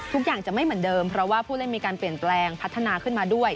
ทุกอย่างจะไม่เหมือนเดิมเพราะว่าผู้เล่นมีการเปลี่ยนแปลงพัฒนาขึ้นมาด้วย